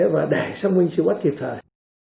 và để xác minh truy bắt kịp thời